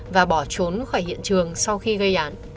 và bỏ trốn khỏi hiện trường sau khi gây án